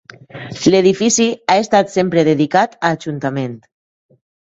L'edifici ha estat sempre dedicat a Ajuntament.